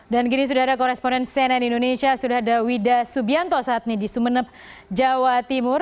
dan gini sudah ada koresponen cnn indonesia sudah ada wida subianto saat ini di sumeneb jawa timur